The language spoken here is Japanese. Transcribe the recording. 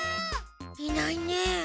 いないねえ。